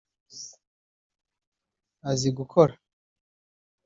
Azi gukora